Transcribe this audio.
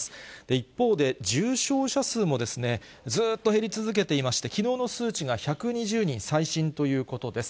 一方で、重症者数もずーっと減り続けていまして、きのうの数値が１２０人、最新ということです。